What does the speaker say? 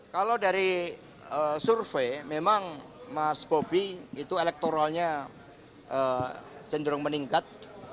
kalau dari survei memang mas bobi itu elektoralnya cenderung meningkat